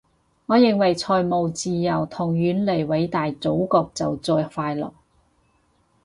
我認為財務自由同遠離偉大祖國就最快樂